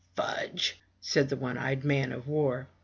"Fudge! said the one eyed man of war.